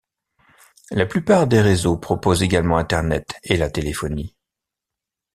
La plupart des réseaux proposent également internet et la téléphonie.